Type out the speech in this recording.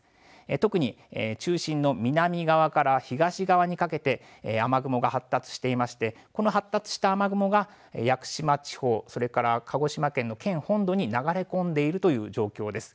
特に中心の南側から東側にかけて雨雲が発達していてこの発達した雨雲が屋久島地方、それから鹿児島県の県本土に流れ込んでいるという状況です。